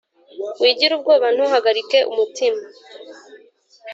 Wigira ubwoba ntuhagarike umutima